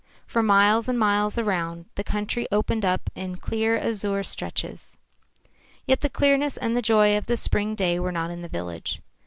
For miles and miles around, the country opened up in clear azure stretches. Yet the clearness and the joy of the spring day were not in the village.